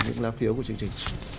những lá phiếu của chương trình